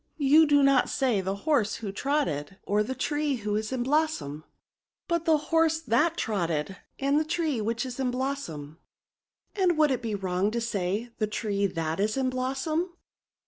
You do not say the horse who trotted, or the tree who is in blossom ; but the horse that trotted, and the tree which is in blossom." *^ And would it be wrong to say, the tree that is in blossom